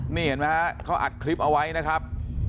นี่เห็นไหมฮะเขาอัดคลิปเอาไว้นะครับ